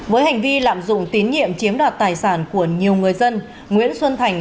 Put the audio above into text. với hành vi lạm dụng tín nhiệm chiếm đoạt tài sản của nhiều người dân nguyễn xuân thành